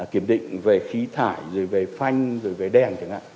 kiểm định về khí thải về phanh về đèn